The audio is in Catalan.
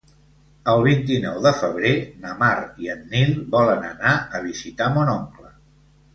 El vint-i-nou de febrer na Mar i en Nil volen anar a visitar mon oncle.